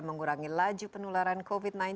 mengurangi laju penularan covid sembilan belas